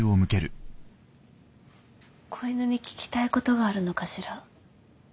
子犬に聞きたいことがあるのかしら。